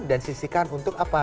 dan sisikan untuk apa